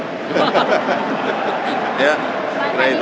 pak adrian sempat terkini juga pak